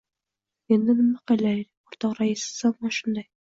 — Endi, nima qilaylik, o‘rtoq rais? Zamon shunday!